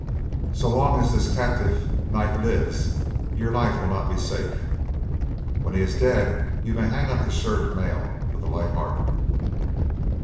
So long as this caitiff knight lives, your life will not be safe. When he is dead you may hang up the shirt of mail with a light heart."